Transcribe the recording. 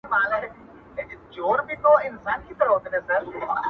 حقيقت ګډوډېږي د خلکو خبرو کي،